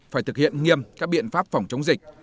phải thực hiện nghiêm các biện pháp phòng chống dịch